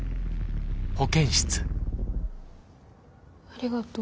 ありがとう。